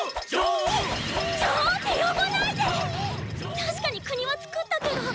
確かに国は創ったけど！